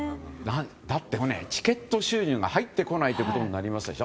だって、チケット収入が入ってこないことになりますでしょ。